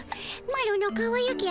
マロのかわゆき